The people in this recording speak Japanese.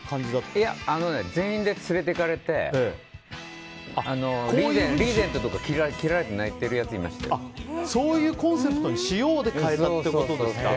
いや、全員で連れていかれてリーゼントとかを切られてそういうコンセプトにしようって変えたってことですか。